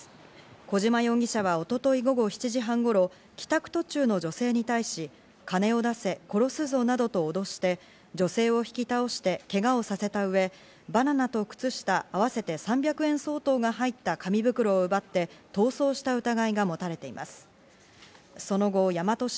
小島容疑者は一昨日、午後７時半頃、帰宅途中の女性に対し、金を出せ、殺すぞなどと脅して女性を引き倒してけがをさせた上、バナナと靴下、合わせて３００円相当が入った紙袋を奪って逃走した疑いが持たれています。